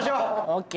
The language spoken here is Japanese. ＯＫ。